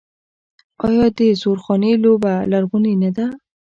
آیا د زورخانې لوبه لرغونې نه ده؟